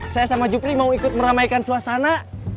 saya sama juvly mau ikut iramaikan suasana